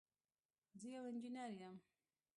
زه یو انجینر یم